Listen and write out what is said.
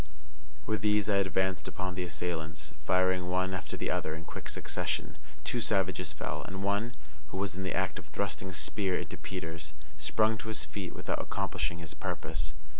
With these I advanced upon the assailants, firing one after the other in quick succession. Two savages fell, and one, who was in the act of thrusting a spear into Peters, sprung to his feet without accomplishing his purpose.